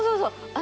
あ！